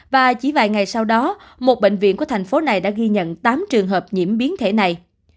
và chỉ vài ngày sau đó một bệnh viện của thành phố này đã ghi nhận tám trường hợp nhiễm biến thể này